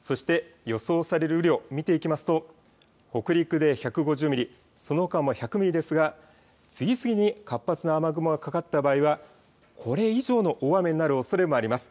そして予想される雨量、見ていきますと、北陸で１５０ミリ、そのほか１００ミリですが、次々に活発な雨雲がかかった場合は、これ以上の大雨になるおそれもあります。